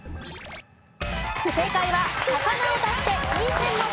正解は「魚」を足して新鮮の「鮮」。